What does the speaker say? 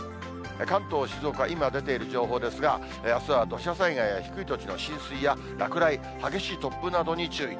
関東、静岡、今出ている情報ですが、あすは土砂災害や低い土地の浸水や落雷、激しい突風などに注意。